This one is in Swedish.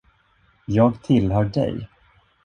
Jag tillhör dig!